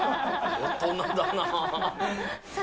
大人だなぁ。